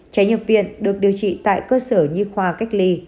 trẻ nhập viện được điều trị tại cơ sở nhi khoa cách ly